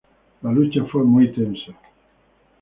La lucha fue muy tensa.